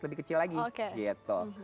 lebih kecil lagi oke